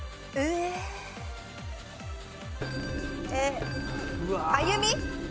えーっあゆみ。